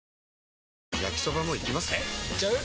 えいっちゃう？